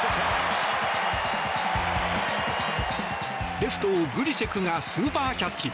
レフト、グリチェクがスーパーキャッチ。